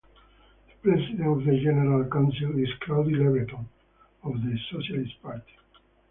The President of the General Council is Claudy Lebreton of the Socialist Party.